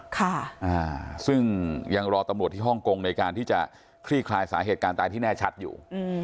ค่ะอ่าซึ่งยังรอตำรวจที่ฮ่องกงในการที่จะคลี่คลายสาเหตุการณ์ตายที่แน่ชัดอยู่